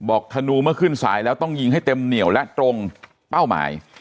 ธนูเมื่อขึ้นสายแล้วต้องยิงให้เต็มเหนียวและตรงเป้าหมาย